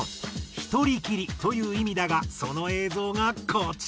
「一人きり」という意味だがその映像がこちら！